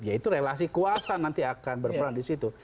yaitu relasi kuasa nanti akan berperan disitu